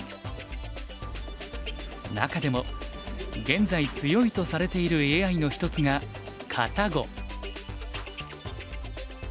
中でも現在強いとされているＡＩの一つがＫａｔａＧｏ。